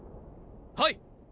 はい！